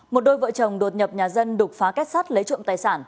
một đôi vợ chồng đột nhập nhà dân đục phá kết sát lấy trộm tài sản